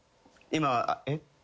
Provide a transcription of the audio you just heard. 今えっ？